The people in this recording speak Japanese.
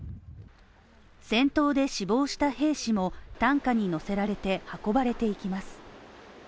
戦闘で死亡した兵士も担架に乗せられて運ばれていきます。